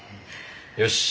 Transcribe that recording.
よし。